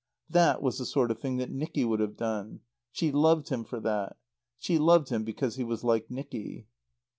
That was the sort of thing that Nicky would have done. She loved him for that. She loved him because he was like Nicky.